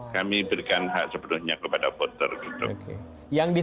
kami berikan hak sepenuhnya kepada voter gitu